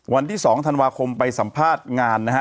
วันที่๒ธันวาคมไปสัมภาษณ์งานนะฮะ